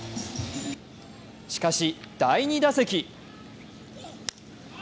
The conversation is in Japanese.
しかし、第２打席。